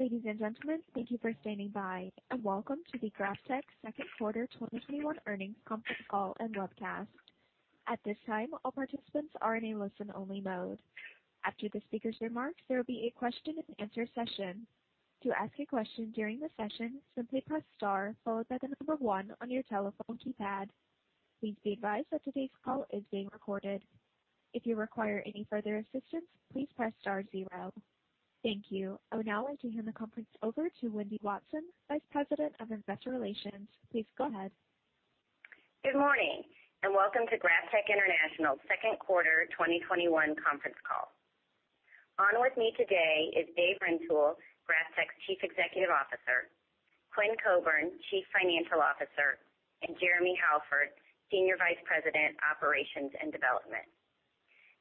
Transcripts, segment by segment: Ladies and gentlemen, thank you for standing by, and welcome to the GrafTech Second Quarter 2021 Earnings Conference Call and Webcast. At this time, all participants are in a listen-only mode. After the speakers' remarks, there will be a question-and-answer session. To ask a question during the session, simply press star followed by one on your telephone keypad. Please be advised that today's call is being recorded. If you require any further assistance, please press star zero. Thank you. I would now like to hand the conference over to Wendy Watson, Vice President, Investor Relations. Please go ahead. Good morning, and welcome to GrafTech International second quarter 2021 conference call. On with me today is Dave Rintoul, GrafTech's Chief Executive Officer, Quinn Coburn, Chief Financial Officer, and Jeremy Halford, Senior Vice President, Operations and Development.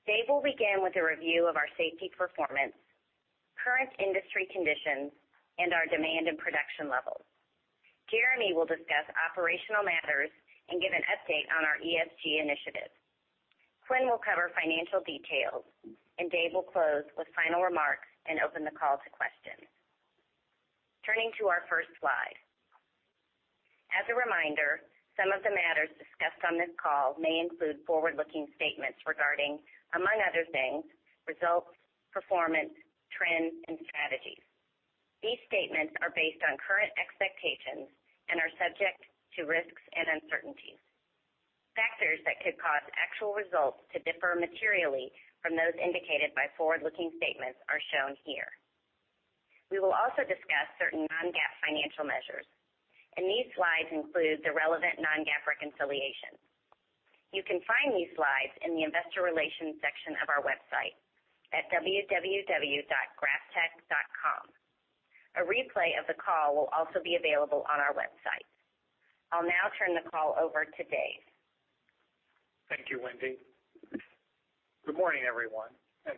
Dave will begin with a review of our safety performance, current industry conditions, and our demand and production levels. Jeremy will discuss operational matters and give an update on our ESG initiatives. Quinn will cover financial details, and Dave will close with final remarks and open the call to questions. Turning to our first slide. As a reminder, some of the matters discussed on this call may include forward-looking statements regarding, among other things, results, performance, trends, and strategies. These statements are based on current expectations and are subject to risks and uncertainties. Factors that could cause actual results to differ materially from those indicated by forward-looking statements are shown here. We will also discuss certain non-GAAP financial measures, and these slides include the relevant non-GAAP reconciliations. You can find these slides in the Investor Relations section of our website at www.graftech.com. A replay of the call will also be available on our website. I'll now turn the call over to Dave. Thank you, Wendy. Good morning, everyone.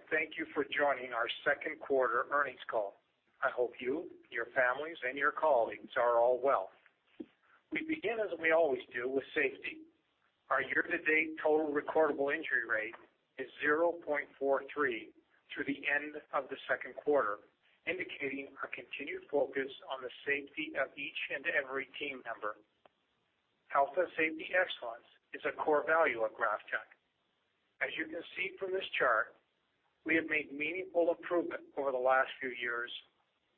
Thank you for joining our second quarter earnings call. I hope you, your families, and your colleagues are all well. We begin as we always do with safety. Our year-to-date total recordable injury rate is 0.43 through the end of the second quarter, indicating our continued focus on the safety of each and every team member. Health and safety excellence is a core value of GrafTech. As you can see from this chart, we have made meaningful improvement over the last few years,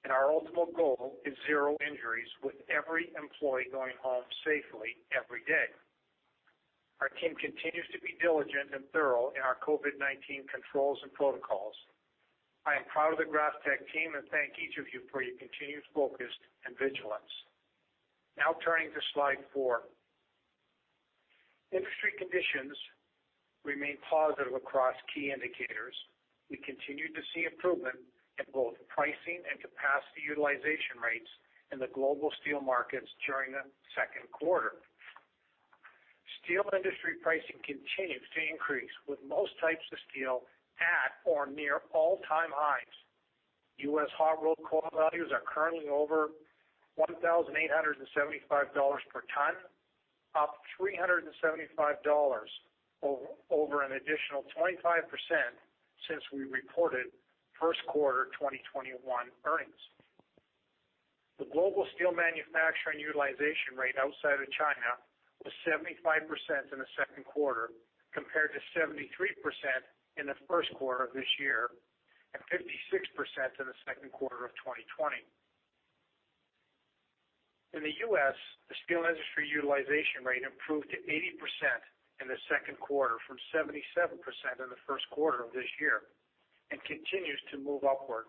and our ultimate goal is zero injuries with every employee going home safely every day. Our team continues to be diligent and thorough in our COVID-19 controls and protocols. I am proud of the GrafTech team and thank each of you for your continued focus and vigilance. Now turning to slide four. Industry conditions remain positive across key indicators. We continued to see improvement in both pricing and capacity utilization rates in the global steel markets during the second quarter. Steel industry pricing continues to increase, with most types of steel at or near all-time highs. U.S. hot rolled coil values are currently over $1,875 per ton, up $375 or over an additional 25% since we reported first quarter 2021 earnings. The global steel manufacturing utilization rate outside of China was 75% in the second quarter, compared to 73% in the first quarter of this year and 56% in the second quarter of 2020. In the U.S., the steel industry utilization rate improved to 80% in the second quarter from 77% in the first quarter of this year and continues to move upward.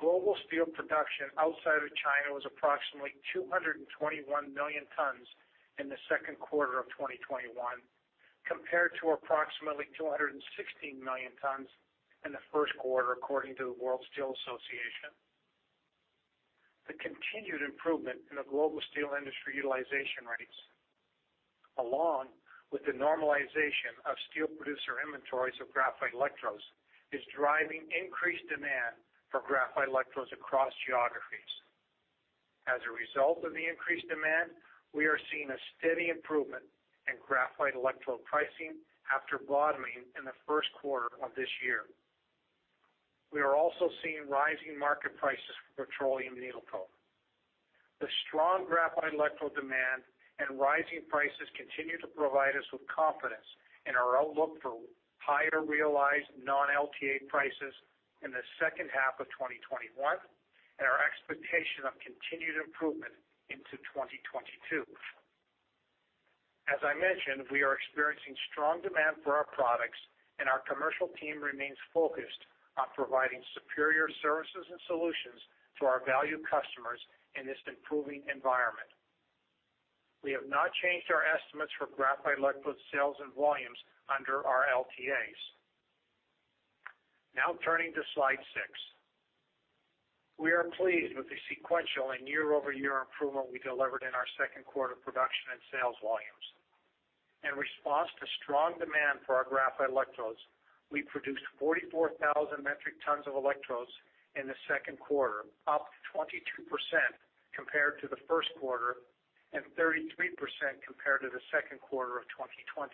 Global steel production outside of China was approximately 221 million tons in the second quarter of 2021, compared to approximately 216 million tons in the first quarter, according to the World Steel Association. The continued improvement in the global steel industry utilization rates, along with the normalization of steel producer inventories of graphite electrodes, is driving increased demand for graphite electrodes across geographies. As a result of the increased demand, we are seeing a steady improvement in graphite electrode pricing after bottoming in the first quarter of this year. We are also seeing rising market prices for petroleum needle coke. The strong graphite electrode demand and rising prices continue to provide us with confidence in our outlook for higher realized non-LTA prices in the second half of 2021 and our expectation of continued improvement into 2022. As I mentioned, we are experiencing strong demand for our products, and our commercial team remains focused on providing superior services and solutions to our valued customers in this improving environment. We have not changed our estimates for graphite electrode sales and volumes under our LTAs. Now turning to slide six. We are pleased with the sequential and year-over-year improvement we delivered in our second quarter production and sales volumes. In response to strong demand for our graphite electrodes, we produced 44,000 metric tons of electrodes in the second quarter, up 22% compared to the first quarter and 33% compared to the second quarter of 2020.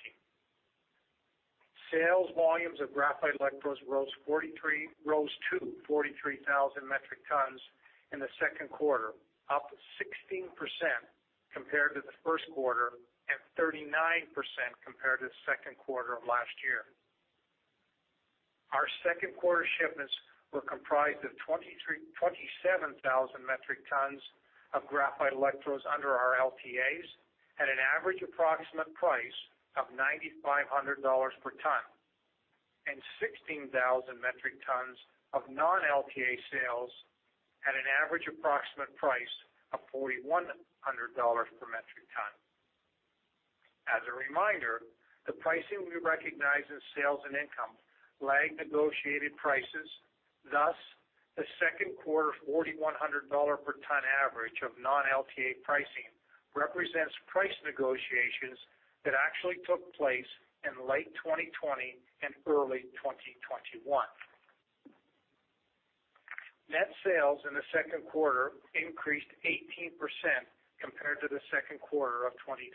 Sales volumes of graphite electrodes rose to 43,000 metric tons in the second quarter, up 16% compared to the first quarter and 39% compared to the second quarter of last year. Our second quarter shipments were comprised of 27,000 metric tons of graphite electrodes under our LTAs at an average approximate price of $9,500 per ton, and 16,000 metric tons of non-LTA sales at an average approximate price of $4,100 per metric ton. As a reminder, the pricing we recognize as sales and income lag negotiated prices, thus, the second quarter $4,100 per ton average of non-LTA pricing represents price negotiations that actually took place in late 2020 and early 2021. Net sales in the second quarter increased 18% compared to the second quarter of 2020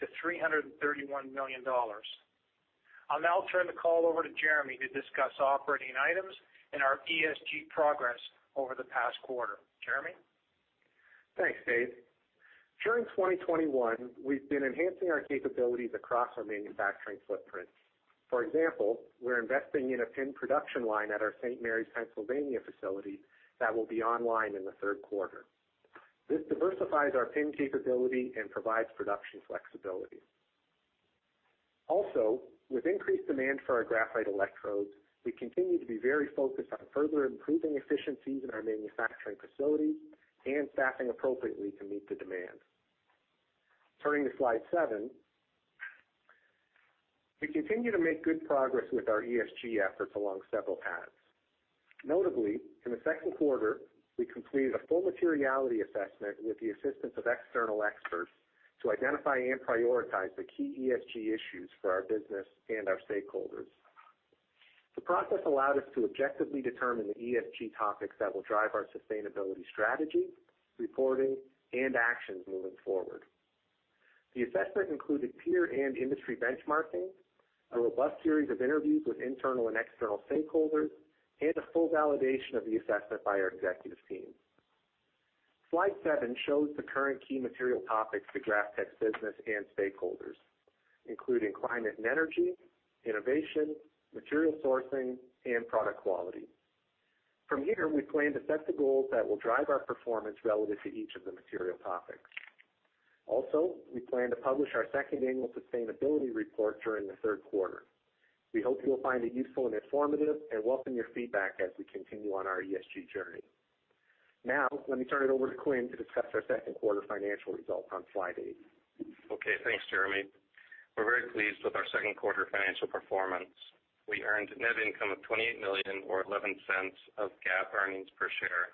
to $331 million. I'll now turn the call over to Jeremy to discuss operating items and our ESG progress over the past quarter. Jeremy? Thanks, Dave. During 2021, we've been enhancing our capabilities across our manufacturing footprint. For example, we're investing in a pin production line at our St. Marys, Pennsylvania facility that will be online in the third quarter. This diversifies our pin capability and provides production flexibility. Also, with increased demand for our graphite electrodes, we continue to be very focused on further improving efficiencies in our manufacturing facilities and staffing appropriately to meet the demand. Turning to slide seven, we continue to make good progress with our ESG efforts along several paths. Notably, in the second quarter, we completed a full materiality assessment with the assistance of external experts to identify and prioritize the key ESG issues for our business and our stakeholders. The process allowed us to objectively determine the ESG topics that will drive our sustainability strategy, reporting, and actions moving forward. The assessment included peer and industry benchmarking, a robust series of interviews with internal and external stakeholders, and a full validation of the assessment by our executive team. Slide seven shows the current key material topics to GrafTech's business and stakeholders, including climate and energy, innovation, material sourcing, and product quality. From here, we plan to set the goals that will drive our performance relative to each of the material topics. Also, we plan to publish our second annual sustainability report during the third quarter. We hope you will find it useful and informative and welcome your feedback as we continue on our ESG journey. Now, let me turn it over to Quinn to discuss our second quarter financial results on slide eight. Thanks, Jeremy. We're very pleased with our second quarter financial performance. We earned net income of $28 million or $0.11 of GAAP earnings per share,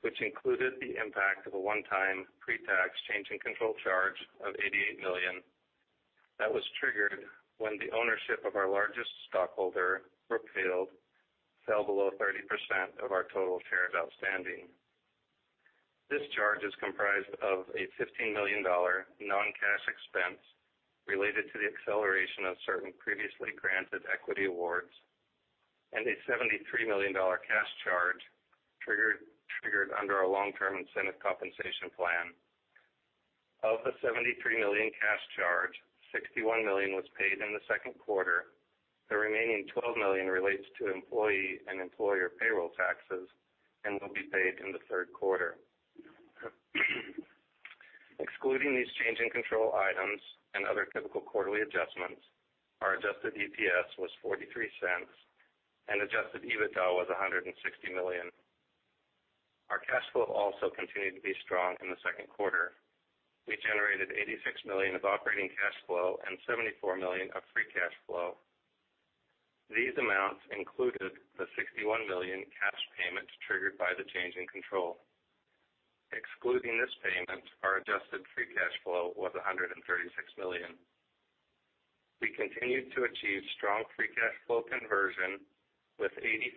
which included the impact of a one-time pre-tax change in control charge of $88 million that was triggered when the ownership of our largest stockholder, Brookfield, fell below 30% of our total shares outstanding. This charge is comprised of a $15 million non-cash expense related to the acceleration of certain previously granted equity awards and a $73 million cash charge triggered under our long-term incentive compensation plan. Of the $73 million cash charge, $61 million was paid in the second quarter. The remaining $12 million relates to employee and employer payroll taxes and will be paid in the third quarter. Excluding these change in control items and other typical quarterly adjustments, our adjusted EPS was $0.43 and adjusted EBITDA was $160 million. Our cash flow also continued to be strong in the second quarter. We generated $86 million of operating cash flow and $74 million of free cash flow. These amounts included the $61 million cash payment triggered by the change in control. Excluding this payment, our adjusted free cash flow was $136 million. We continued to achieve strong free cash flow conversion with 85%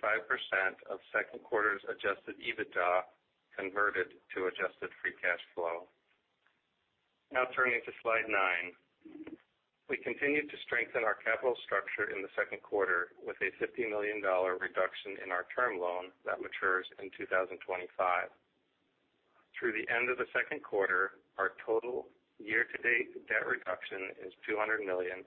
of second quarter's adjusted EBITDA converted to adjusted free cash flow. Turning to slide nine. We continued to strengthen our capital structure in the second quarter with a $50 million reduction in our term loan that matures in 2025. Through the end of the second quarter, our total year-to-date debt reduction is $200 million,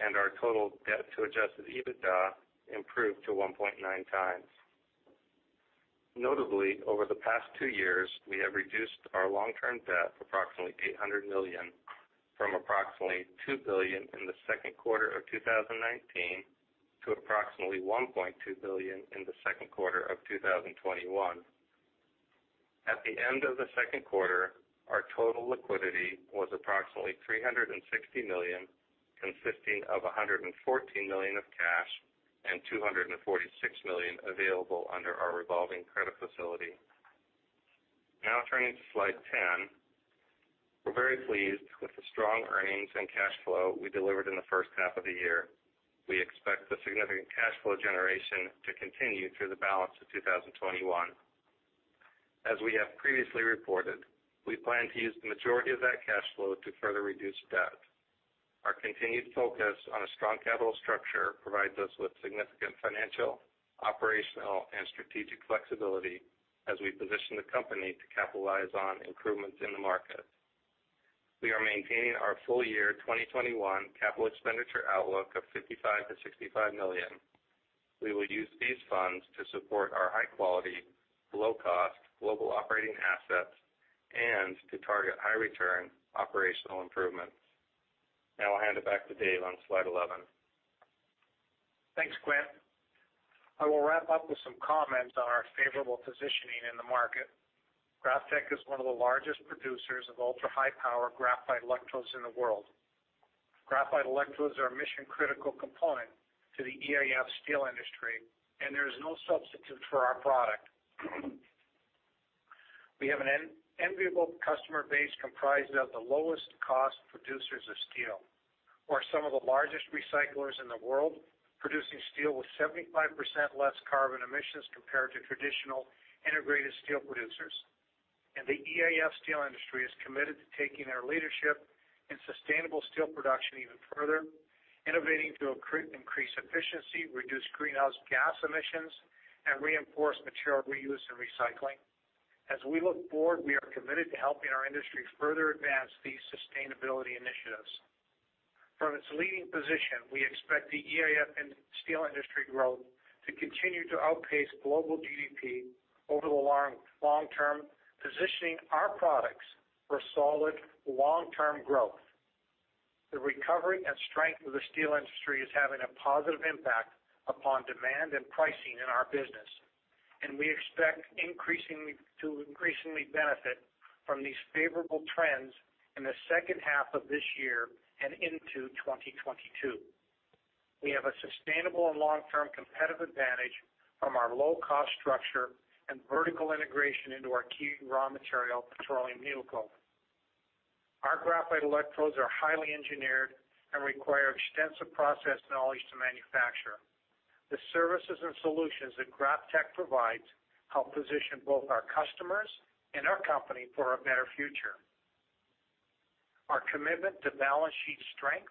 and our total debt to adjusted EBITDA improved to 1.9 times. Notably, over the past two years, we have reduced our long-term debt approximately $800 million from approximately $2 billion in the second quarter of 2019 to approximately $1.2 billion in the second quarter of 2021. At the end of the second quarter, our total liquidity was approximately $360 million, consisting of $114 million of cash and $246 million available under our revolving credit facility. Now turning to slide 10. We're very pleased with the strong earnings and cash flow we delivered in the first half of the year. We expect the significant cash flow generation to continue through the balance of 2021. As we have previously reported, we plan to use the majority of that cash flow to further reduce debt. Our continued focus on a strong capital structure provides us with significant financial, operational, and strategic flexibility as we position the company to capitalize on improvements in the market. We are maintaining our full-year 2021 capital expenditure outlook of $55 million-$65 million. We will use these funds to support our high-quality, low-cost global operating assets and to target high-return operational improvements. I'll hand it back to Dave on slide 11. Thanks, Quinn. I will wrap up with some comments on our favorable positioning in the market. GrafTech is one of the largest producers of ultra-high power graphite electrodes in the world. Graphite electrodes are a mission-critical component to the EAF steel industry, and there is no substitute for our product. We have an enviable customer base comprised of the lowest cost producers of steel, who are some of the largest recyclers in the world, producing steel with 75% less carbon emissions compared to traditional integrated steel producers. The EAF steel industry is committed to taking our leadership in sustainable steel production even further, innovating to increase efficiency, reduce greenhouse gas emissions, and reinforce material reuse and recycling. As we look forward, we are committed to helping our industry further advance these sustainability initiatives. From its leading position, we expect the EAF and steel industry growth to continue to outpace global GDP over the long term, positioning our products for solid long-term growth. The recovery and strength of the steel industry is having a positive impact upon demand and pricing in our business, and we expect to increasingly benefit from these favorable trends in the second half of this year and into 2022. We have a sustainable and long-term competitive advantage from our low-cost structure and vertical integration into our key raw material, petroleum needle coke. Our graphite electrodes are highly engineered and require extensive process knowledge to manufacture. The services and solutions that GrafTech provides help position both our customers and our company for a better future. Our commitment to balance sheet strength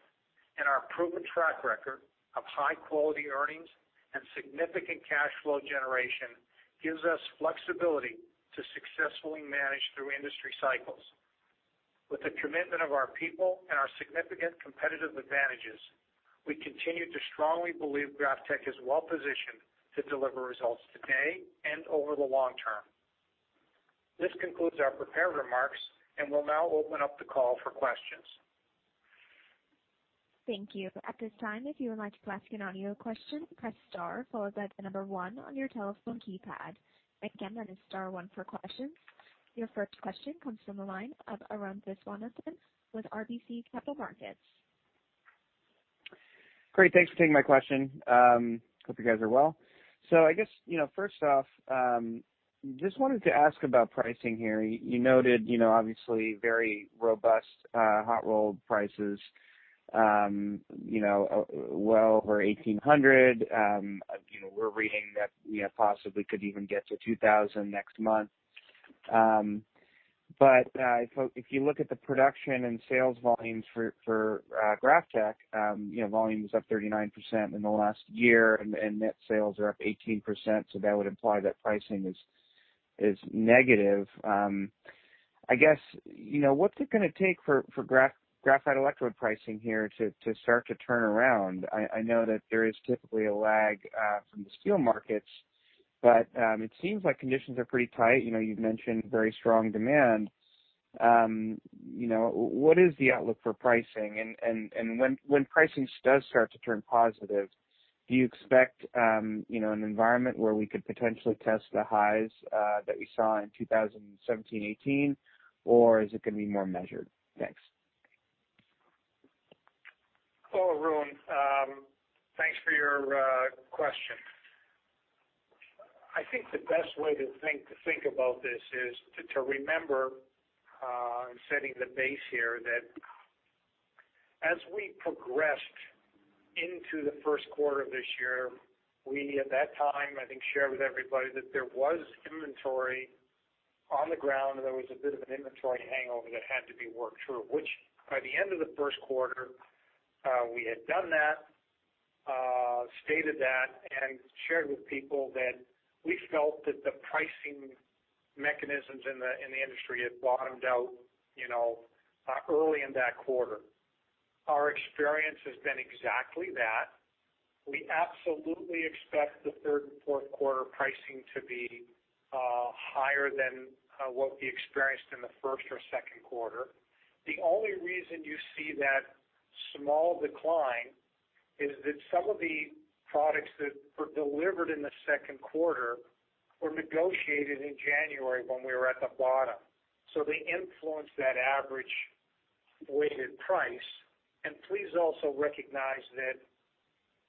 and our proven track record of high-quality earnings and significant cash flow generation gives us flexibility to successfully manage through industry cycles. With the commitment of our people and our significant competitive advantages, we continue to strongly believe GrafTech is well-positioned to deliver results today and over the long term. This concludes our prepared remarks, and we'll now open up the call for questions. Thank you. At this time, if you would like to ask an audio question, press star followed by one on your telephone keypad. Again, that is star one for questions. Your first question comes from the line of Arun Viswanathan with RBC Capital Markets. Great. Thanks for taking my question. Hope you guys are well. I guess, first off, just wanted to ask about pricing here. You noted, obviously, very robust hot rolled coil prices, well over $1,800. We're reading that we possibly could even get to $2,000 next month. If you look at the production and sales volumes for GrafTech, volume is up 39% in the last year and net sales are up 18%, so that would imply that pricing is negative. I guess, what's it going to take for graphite electrode pricing here to start to turn around? I know that there is typically a lag from the steel markets, but it seems like conditions are pretty tight. You've mentioned very strong demand. What is the outlook for pricing? When pricing does start to turn positive, do you expect an environment where we could potentially test the highs that we saw in 2017, 2018, or is it going to be more measured? Thanks. Hello, Arun. Thanks for your question. I think the best way to think about this is to remember, I'm setting the base here, that as we progressed into the first quarter of this year, we, at that time, I think, shared with everybody that there was inventory on the ground and there was a bit of an inventory hangover that had to be worked through. Which, by the end of the first quarter, we had done that, stated that, and shared with people that we felt that the pricing mechanisms in the industry had bottomed out early in that quarter. Our experience has been exactly that. We absolutely expect the third and fourth quarter pricing to be higher than what we experienced in the first or second quarter. The only reason you see that small decline, is that some of the products that were delivered in the second quarter were negotiated in January when we were at the bottom. They influenced that average weighted price and please also recognize that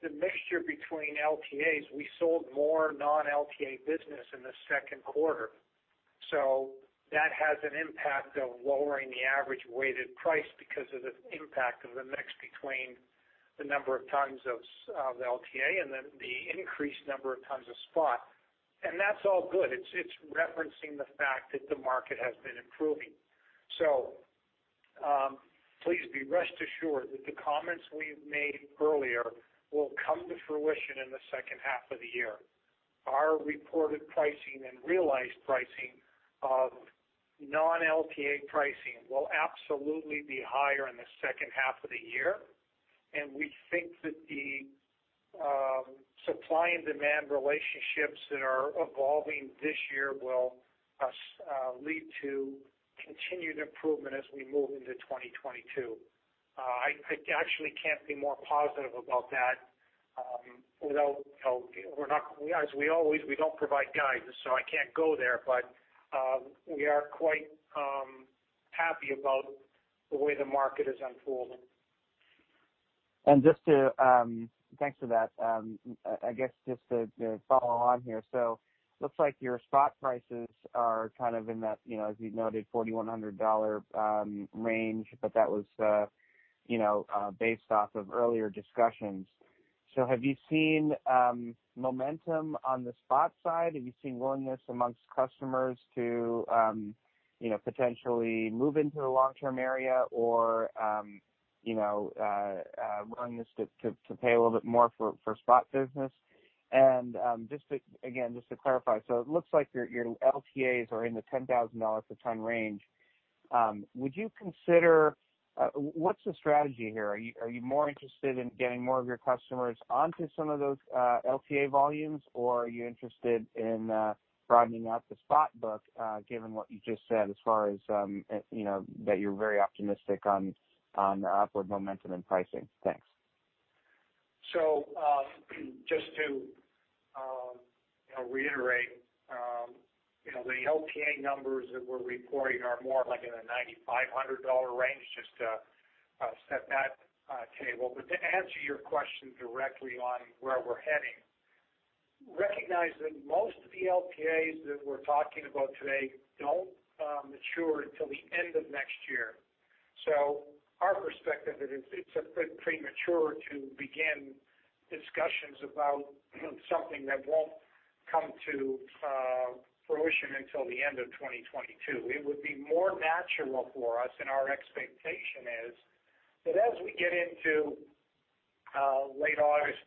the mixture between LTAs, we sold more non-LTA business in the second quarter. That has an impact of lowering the average weighted price because of the impact of the mix between the number of tons of the LTA, and then the increased number of tons of spot. That's all good. It's referencing the fact that the market has been improving. Please be rest assured that the comments we've made earlier will come to fruition in the second half of the year. Our reported pricing and realized pricing of non-LTA pricing will absolutely be higher in the second half of the year, and we think that the supply and demand relationships that are evolving this year will lead to continued improvement as we move into 2022. I actually can't be more positive about that. As always, we don't provide guidance, so I can't go there, but we are quite happy about the way the market is unfolding. Thanks for that. I guess just to follow on here, looks like your spot prices are kind of in that, as you noted, $4,100 range, but that was based off of earlier discussions. Have you seen momentum on the spot side? Have you seen willingness amongst customers to potentially move into the long-term area or willingness to pay a little bit more for spot business? Again, just to clarify, it looks like your LTAs are in the $10,000 a ton range. What's the strategy here? Are you more interested in getting more of your customers onto some of those LTA volumes, or are you interested in broadening out the spot book, given what you just said as far as that you're very optimistic on the upward momentum and pricing? Thanks. Just to reiterate, the LTA numbers that we're reporting are more like in the $9,500 range, just to set that table. To answer your question directly on where we're heading, recognizing most of the LTAs that we're talking about today don't mature until the end of next year. Our perspective is it's a bit premature to begin discussions about something that won't come to fruition until the end of 2022. It would be more natural for us, and our expectation is that as we get into late August,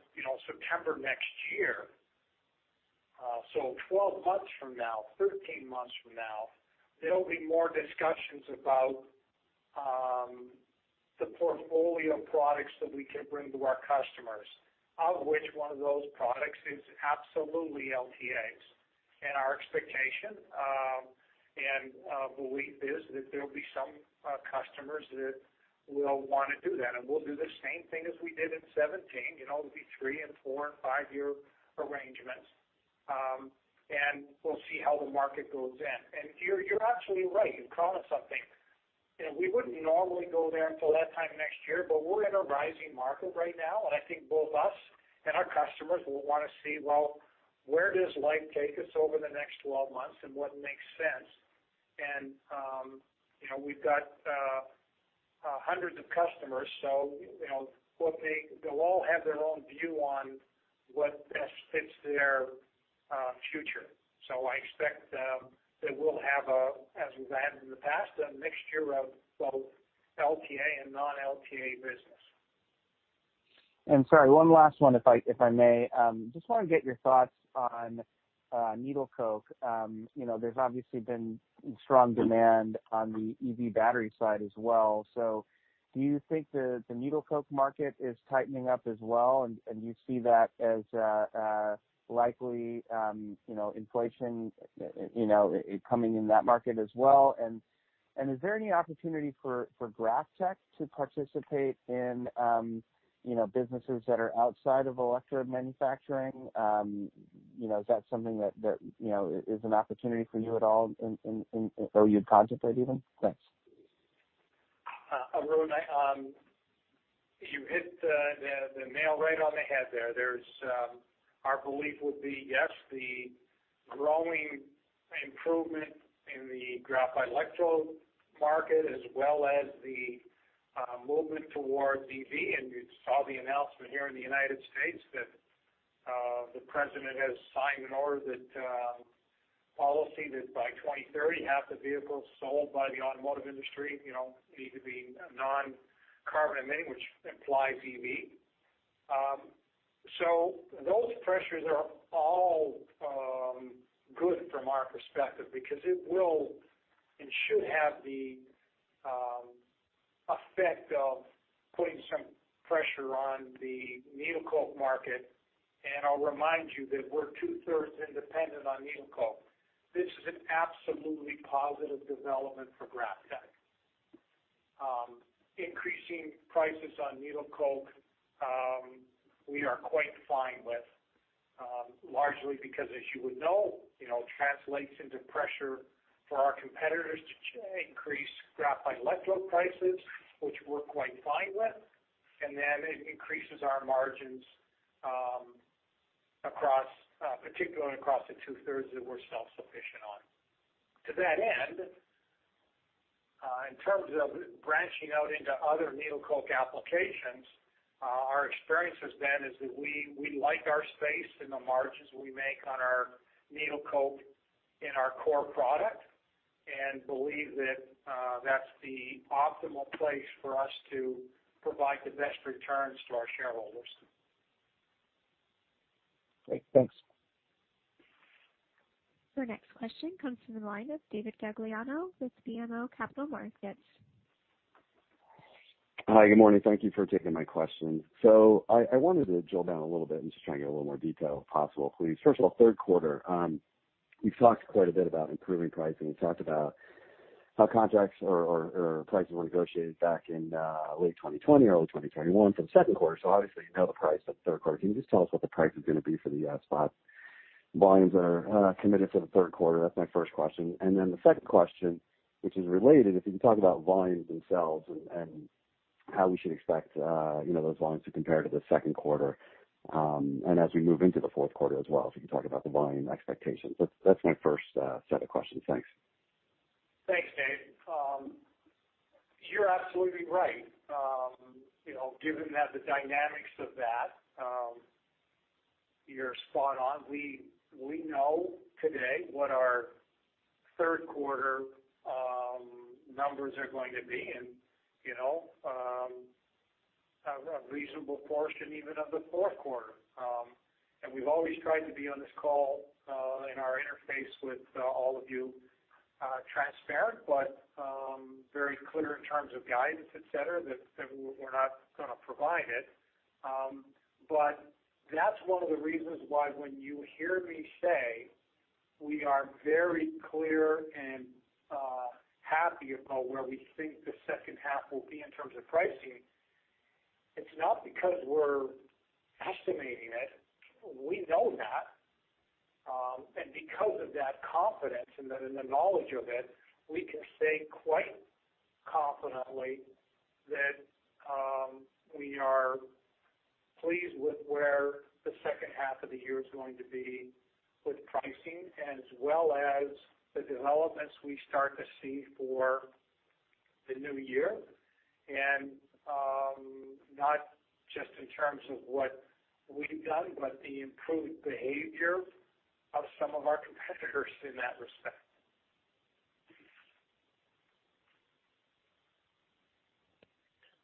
September next year, so 12 months from now, 13 months from now, there'll be more discussions about the portfolio of products that we can bring to our customers. Of which one of those products is absolutely LTAs. Our expectation and belief is that there'll be some customers that will want to do that. We'll do the same thing as we did in 2017. There'll be three, and four, and five year arrangements. We'll see how the market goes in. You're absolutely right. You've caught us something. We wouldn't normally go there until that time next year, but we're in a rising market right now, and I think both us and our customers will want to see, well, where does life take us over the next 12 months, and what makes sense? We've got hundreds of customers, so they'll all have their own view on what best fits their future. I expect that we'll have, as we've had in the past, a mixture of both LTA and non-LTA business. Sorry, one last one, if I may. Just want to get your thoughts on petroleum needle coke. There is obviously been strong demand on the EV battery side as well. Do you think the petroleum needle coke market is tightening up as well, and you see that as likely inflation coming in that market as well? Is there any opportunity for GrafTech to participate in businesses that are outside of electrode manufacturing? Is that something that is an opportunity for you at all, or you would contemplate even? Thanks. Arun, you hit the nail right on the head there. Our belief would be, yes, the growing improvement in the graphite electrode market as well as the movement towards EV, and you saw the announcement here in the United States that the President has signed an order, that policy that by 2030, half the vehicles sold by the automotive industry need to be non-carbon emitting, which implies EV. Those pressures are all good from our perspective because it will and should have the effect of putting some pressure on the needle coke market, and I'll remind you that we're two-thirds independent on needle coke. This is an absolutely positive development for GrafTech. Increasing prices on needle coke, we are quite fine with, largely because, as you would know, translates into pressure for our competitors to increase graphite electrode prices, which we're quite fine with. It increases our margins particularly across the two-thirds that we're self-sufficient on. To that end in terms of branching out into other needle coke applications, our experience has been is that we like our space and the margins we make on our needle coke in our core product, and believe that that's the optimal place for us to provide the best returns to our shareholders. Great. Thanks. Our next question comes from the line of David Gagliano with BMO Capital Markets. Hi. Good morning. Thank you for taking my question. I wanted to drill down a little bit and just trying to get a little more detail, if possible, please. First of all, third quarter, you've talked quite a bit about improving pricing. You talked about how contracts or prices were negotiated back in late 2020, early 2021 for the second quarter. Obviously, you know the price of the third quarter. Can you just tell us what the price is going to be for the spot volumes that are committed for the third quarter? That's my first question. The second question, which is related, if you can talk about volumes themselves and how we should expect those volumes to compare to the second quarter, and as we move into the fourth quarter as well. If you can talk about the volume expectations. That's my first set of questions. Thanks. Thanks, Dave. You're absolutely right. Given the dynamics of that, you're spot on. We know today what our third quarter numbers are going to be and a reasonable portion even of the fourth quarter. We've always tried to be on this call, in our interface with all of you, transparent, but very clear in terms of guidance, et cetera, that we're not going to provide it. That's one of the reasons why when you hear me say we are very clear and happy about where we think the second half will be in terms of pricing, it's not because we're estimating it. We know that. Because of that confidence and the knowledge of it, we can say quite confidently that we are pleased with where the second half of the year is going to be with pricing, as well as the developments we start to see for the new year, and not just in terms of what we've done, but the improved behavior of some of our competitors in that respect.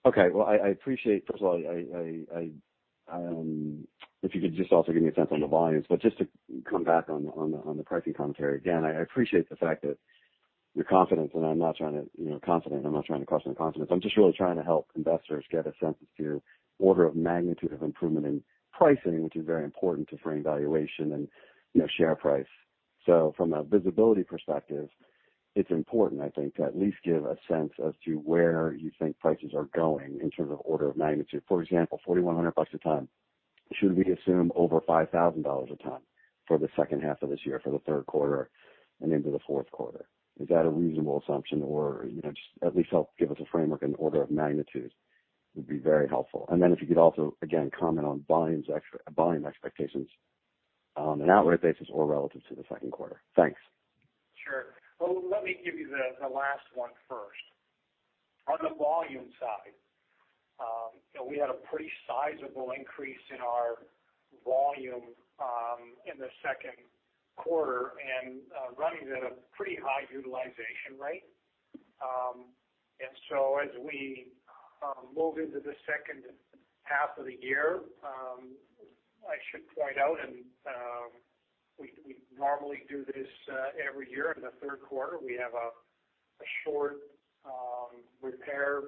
Okay. Well, I appreciate, first of all, if you could just also give me a sense on the volumes, but just to come back on the pricing commentary. Again, I appreciate the fact that you're confident, and I'm not trying to question the confidence. I'm just really trying to help investors get a sense as to order of magnitude of improvement in pricing, which is very important to frame valuation and share price. From a visibility perspective, it's important, I think, to at least give a sense as to where you think prices are going in terms of order of magnitude. For example, $4,100 a ton. Should we assume over $5,000 a ton for the second half of this year, for the third quarter and into the fourth quarter? Is that a reasonable assumption? Just at least help give us a framework and order of magnitude would be very helpful. If you could also, again, comment on volume expectations on an outward basis or relative to the second quarter. Thanks. Sure. Well, let me give you the last one first. On the volume side, we had a pretty sizable increase in our volume in the second quarter and running at a pretty high utilization rate. As we move into the second half of the year, I should point out, and we normally do this every year in the third quarter, we have a short repair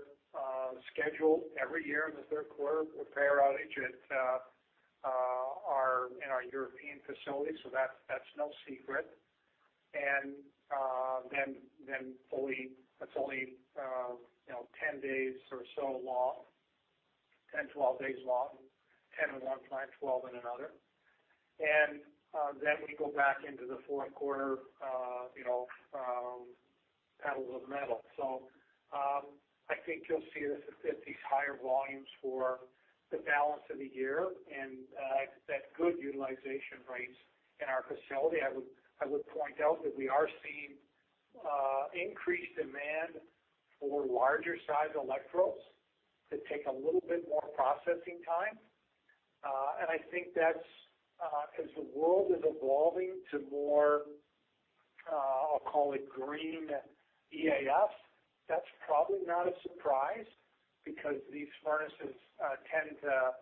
schedule every year in the third quarter, repair outage in our European facility. That's no secret. That's only 10 days or so long, 10, 12 days long, 10 in one plant, 12 in another. We go back into the fourth quarter, pedal to the metal. I think you'll see us at these higher volumes for the balance of the year and that good utilization rates in our facility. I would point out that we are seeing increased demand for larger size electrodes that take a little bit more processing time. I think that's because the world is evolving to more, I'll call it green EAF. That's probably not a surprise because these furnaces tend to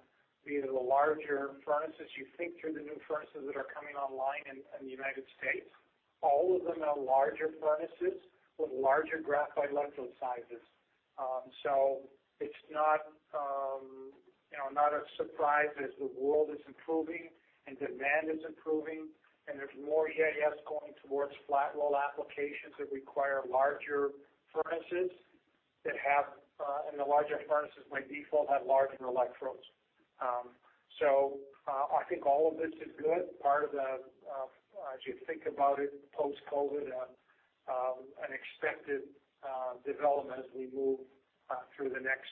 be the larger furnaces. You think through the new furnaces that are coming online in the U.S., all of them are larger furnaces with larger graphite electrode sizes. It's not a surprise as the world is improving and demand is improving, and there's more EAFs going towards flat roll applications that require larger furnaces, and the larger furnaces by default have larger electrodes. I think all of this is good. Part of the, as you think about it, post-COVID, an expected development as we move through the next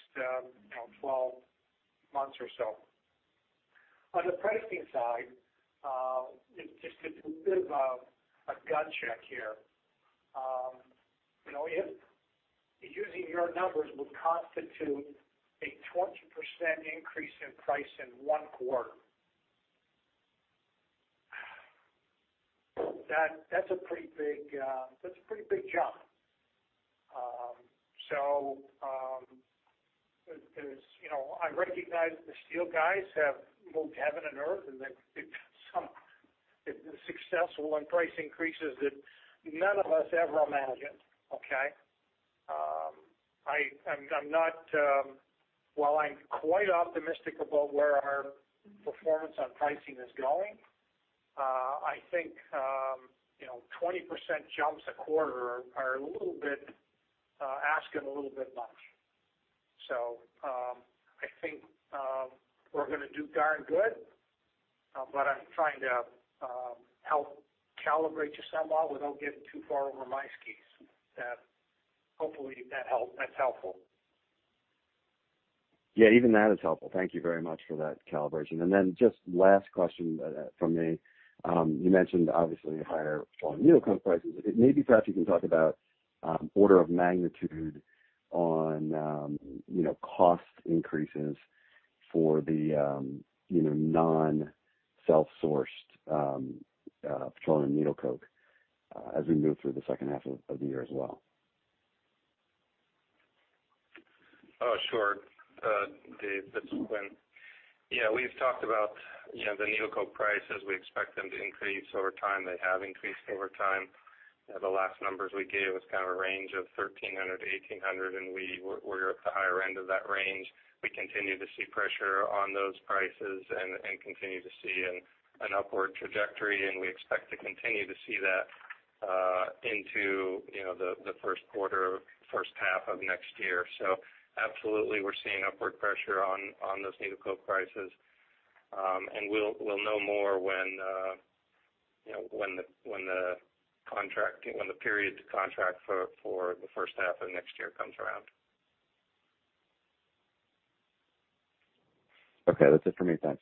12 months or so. On the pricing side, just to do a bit of a gut check here. Using your numbers would constitute a 20% increase in price in one quarter. That's a pretty big jump. I recognize the steel guys have moved heaven and earth, and they've been successful on price increases that none of us ever imagined. Okay. While I'm quite optimistic about where our performance on pricing is going, I think, 20% jumps a quarter are asking a little bit much. I think we're going to do darn good, but I'm trying to help calibrate you somewhat without getting too far over my skis. Hopefully that's helpful. Yeah, even that is helpful. Thank you very much for that calibration. Then just last question from me. You mentioned, obviously, higher petroleum needle coke prices. Maybe, Pat, you can talk about order of magnitude on cost increases for the non-self-sourced petroleum needle coke as we move through the second half of the year as well. Sure. Dave, this is Quinn. Yeah, we've talked about the needle coke prices. We expect them to increase over time. They have increased over time. The last numbers we gave was kind of a range of $1,300-$1,800, we're at the higher end of that range. We continue to see pressure on those prices and continue to see an upward trajectory, and we expect to continue to see that into the first quarter, first half of next year. Absolutely, we're seeing upward pressure on those needle coke prices. We'll know more when the period to contract for the first half of next year comes around. Okay. That's it for me. Thanks.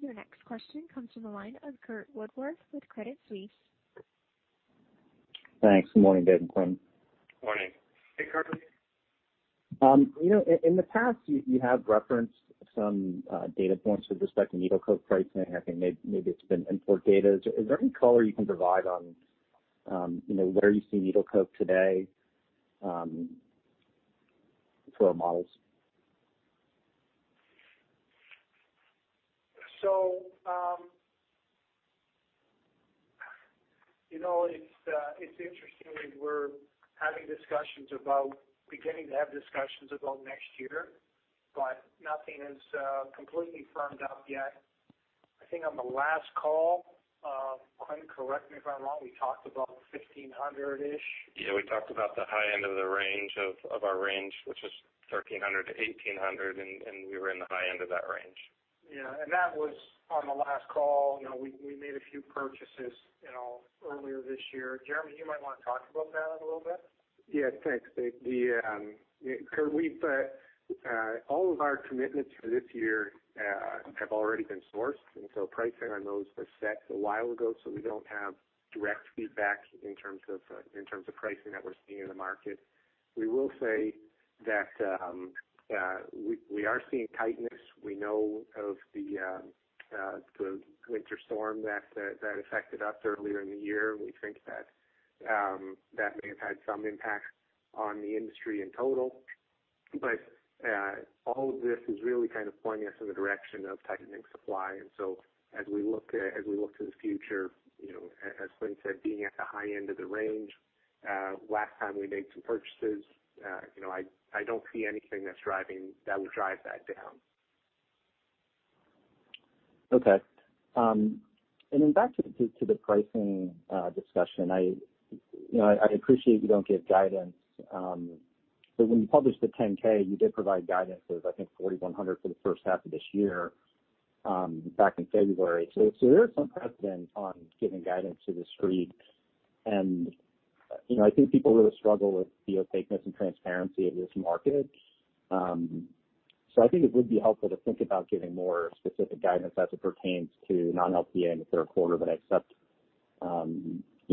Your next question comes from the line of Curt Woodworth with Credit Suisse. Thanks. Morning, Dave and Quinn. Morning. Hey, Curt. In the past, you have referenced some data points with respect to needle coke pricing. I think maybe it's been import data. Is there any color you can provide on where you see needle coke today for our models? It's interesting. We're beginning to have discussions about next year, but nothing is completely firmed up yet. I think on the last call, Quinn, correct me if I'm wrong, we talked about 1,500-ish. We talked about the high end of our range, which is $1,300-$1,800, and we were in the high end of that range. Yeah. That was on the last call. We made a few purchases earlier this year. Jeremy, you might want to talk about that a little bit. Yeah, thanks, Dave. Curt, all of our commitments for this year have already been sourced, and so pricing on those was set a while ago, so we don't have direct feedback in terms of pricing that we're seeing in the market. We will say that we are seeing tightness. We know of the winter storm that affected us earlier in the year. We think that may have had some impact on the industry in total. All of this is really kind of pointing us in the direction of tightening supply. As we look to the future, as Quinn said, being at the high end of the range last time we made some purchases, I don't see anything that would drive that down. Okay. Back to the pricing discussion. I appreciate you don't give guidance, but when you published the 10-K, you did provide guidance of, I think, $4,100 for the first half of this year back in February. There is some precedent on giving guidance to the Street, and I think people really struggle with the opaqueness and transparency of this market. I think it would be helpful to think about giving more specific guidance as it pertains to non-LTA in the third quarter. I accept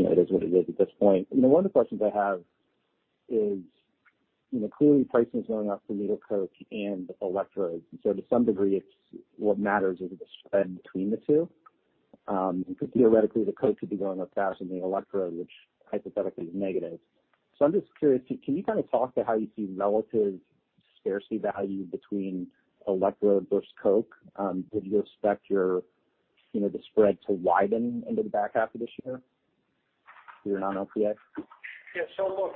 it is what it is at this point. One of the questions I have is, clearly pricing is going up for needle coke and electrodes, and so to some degree what matters is the spread between the two. Because theoretically, the coke could be going up faster than the electrode, which hypothetically is negative. I'm just curious, can you kind of talk to how you see relative scarcity value between electrode versus coke? Did you expect the spread to widen into the back half of this year for your non-LTA? Yeah. Look,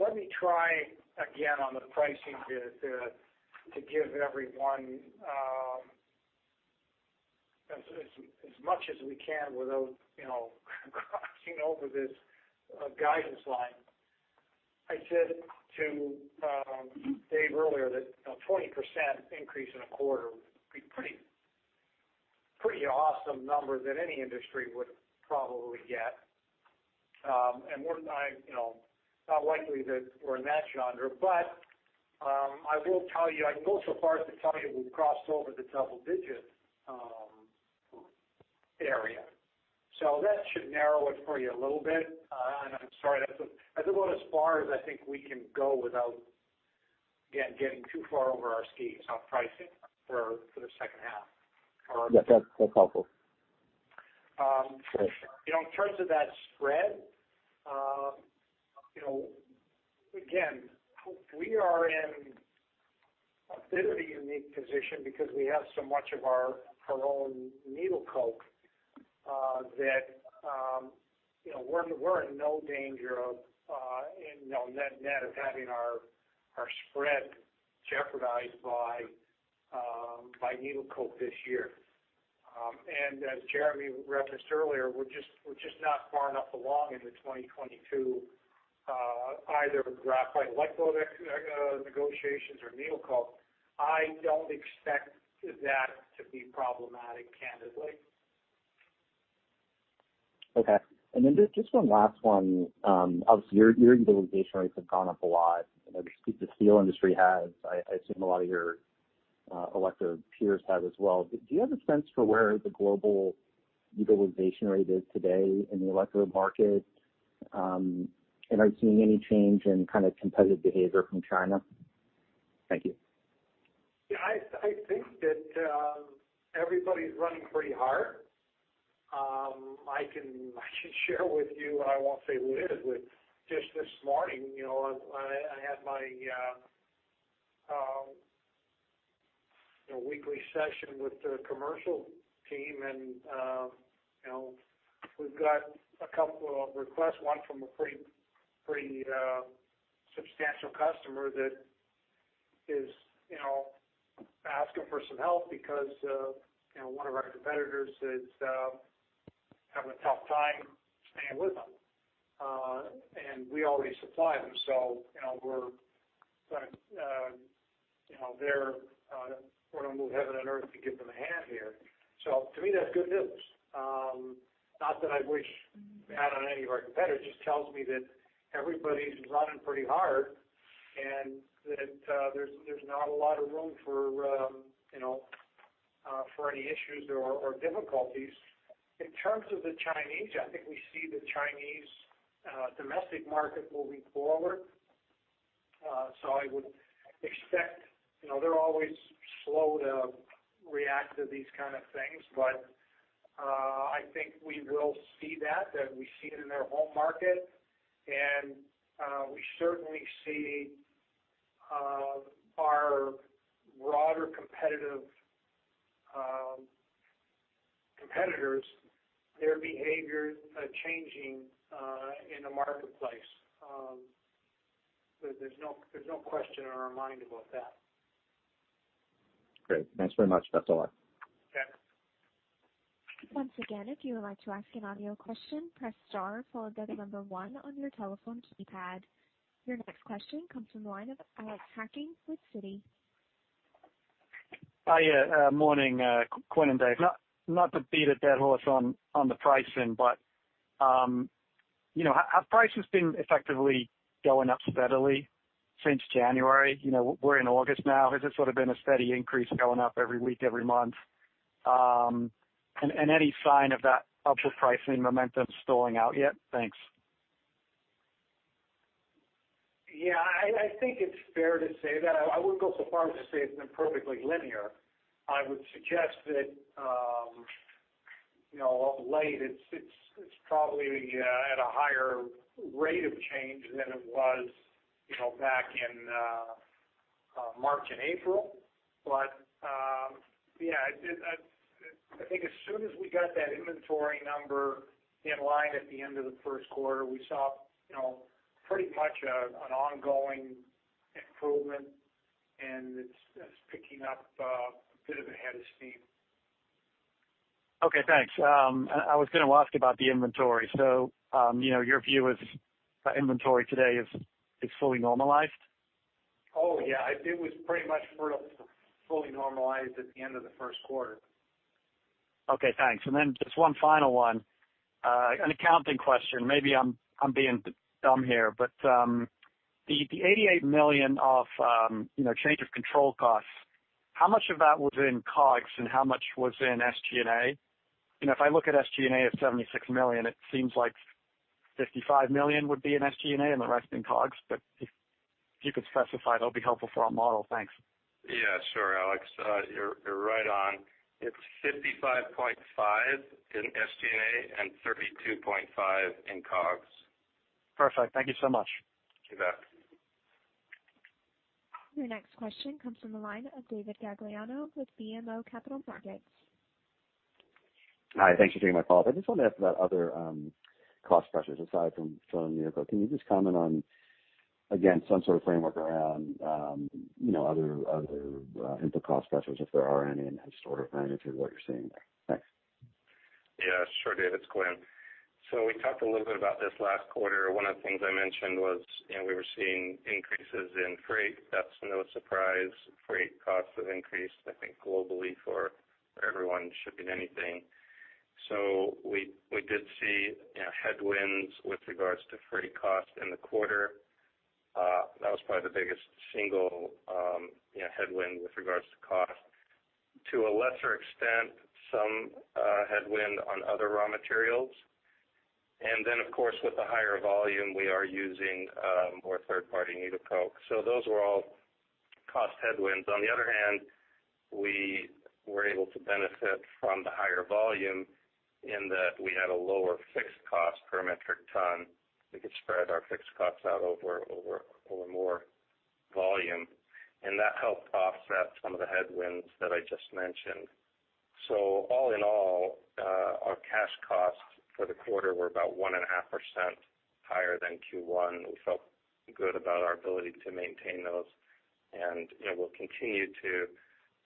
let me try again on the pricing to give everyone as much as we can without crossing over this guidance line. I said to Dave earlier that a 20% increase in a quarter would be pretty awesome numbers that any industry would probably get. We're not likely that we're in that genre, but I will tell you, I can go so far as to tell you we've crossed over to double digits area. That should narrow it for you a little bit. I'm sorry, that's about as far as I think we can go without, again, getting too far over our skis on pricing for the second half. Yes, that's helpful. In terms of that spread, again, we are in a bit of a unique position because we have so much of our own needle coke, that we're in no danger of net-net of having our spread jeopardized by needle coke this year. As Jeremy referenced earlier, we're just not far enough along into 2022, either graphite electrode negotiations or needle coke. I don't expect that to be problematic, candidly. Okay. Just one last one. Obviously, your utilization rates have gone up a lot. The steel industry has. I assume a lot of your electrode peers have as well. Do you have a sense for where the global utilization rate is today in the electrode market? Are you seeing any change in competitive behavior from China? Thank you. Yeah, I think that everybody's running pretty hard. I can share with you, I won't say who it is, but just this morning, I had my weekly session with the commercial team, and we've got a couple of requests, one from a pretty substantial customer that is asking for some help because one of our competitors is having a tough time staying with them. We already supply them, so we're going to move heaven and earth to give them a hand here. To me, that's good news. Not that I wish bad on any of our competitors, it just tells me that everybody's running pretty hard and that there's not a lot of room for any issues or difficulties. In terms of the Chinese, I think we see the Chinese domestic market moving forward. I would expect, they're always slow to react to these kind of things, but, I think we will see that we see it in their home market, and we certainly see our broader competitors, their behavior changing in the marketplace. There's no question in our mind about that. Great. Thanks very much. That's all. Okay. Your next question comes from the line of Alex Hacking with Citi. Hi. Morning, Quinn and Dave. Not to beat a dead horse on the pricing, have prices been effectively going up steadily since January? We're in August now. Has this sort of been a steady increase going up every week, every month? Any sign of that upward pricing momentum stalling out yet? Thanks. Yeah, I think it's fair to say that. I wouldn't go so far as to say it's been perfectly linear. I would suggest that of late, it's probably at a higher rate of change than it was back in March and April. Yeah, I think as soon as we got that inventory number in line at the end of the first quarter, we saw pretty much an ongoing improvement, and it's picking up a bit of a head of steam. Okay, thanks. I was going to ask about the inventory. Your view is the inventory today is fully normalized? Oh, yeah. It was pretty much fully normalized at the end of the first quarter. Okay, thanks. Just one final one, an accounting question. Maybe I'm being dumb here, the $88 million of change of control costs, how much of that was in COGS and how much was in SG&A? If I look at SG&A of $76 million, it seems like $55 million would be in SG&A and the rest in COGS. If you could specify, that'll be helpful for our model. Thanks. Yeah, sure, Alex. You're right on. It's $55.5 in SG&A and $32.5 in COGS. Perfect. Thank you so much. You bet. Your next question comes from the line of David Gagliano with BMO Capital Markets. Hi, thanks for taking my call. I just wanted to ask about other cost pressures aside from needle coke. Can you just comment on, again, some sort of framework around other input cost pressures, if there are any, and sort of magnitude of what you're seeing there? Thanks. Yeah, sure David, it's Quinn. We talked a little bit about this last quarter. One of the things I mentioned was we were seeing increases in freight. That's no surprise. Freight costs have increased, I think globally for everyone shipping anything. We did see headwinds with regards to freight cost in the quarter. That was probably the biggest single headwind with regards to cost. To a lesser extent, some headwind on other raw materials. Of course, with the higher volume we are using more third-party needle coke. Those were all cost headwinds. On the other hand, we were able to benefit from the higher volume in that we had a lower fixed cost per metric ton. We could spread our fixed costs out over more volume, and that helped offset some of the headwinds that I just mentioned. All in all, our cash costs for the quarter were about 1.5% higher than Q1. We felt good about our ability to maintain those. We'll continue to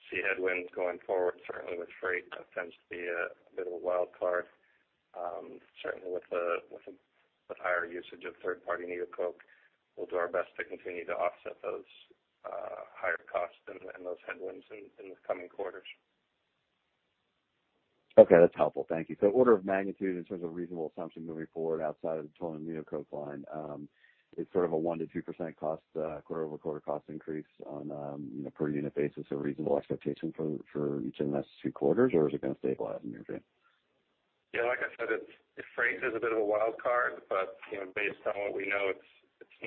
see headwinds going forward, certainly with freight, that tends to be a bit of a wild card. Certainly with the higher usage of third-party needle coke, we'll do our best to continue to offset those higher costs and those headwinds in the coming quarters. Okay, that's helpful. Thank you. Order of magnitude in terms of reasonable assumption moving forward outside of the total needle coke line, it's sort of a 1%-2% quarter-over-quarter cost increase on a per unit basis a reasonable expectation for each of the next few quarters? Is it going to stabilize in your view? Yeah, like I said, freight is a bit of a wild card, but based on what we know, it's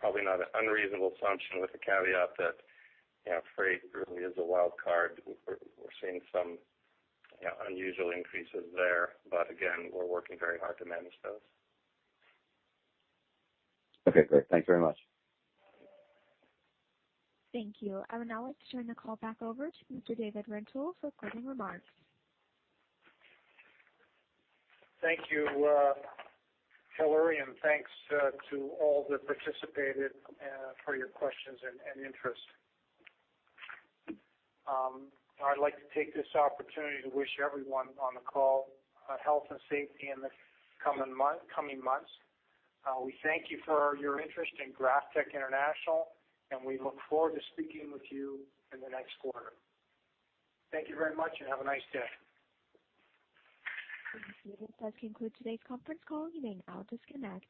probably not an unreasonable assumption with the caveat that freight really is a wild card. We're seeing some unusual increases there. Again, we're working very hard to manage those. Okay, great. Thanks very much. Thank you. I would now like to turn the call back over to Mr. Dave Rintoul for closing remarks. Thank you, Hillary, and thanks to all that participated for your questions and interest. I'd like to take this opportunity to wish everyone on the call health and safety in the coming months. We thank you for your interest in GrafTech International, and we look forward to speaking with you in the next quarter. Thank you very much, and have a nice day. This does conclude today's conference call. You may now disconnect.